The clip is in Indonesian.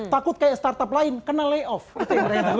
takut kayak startup lain kena layoff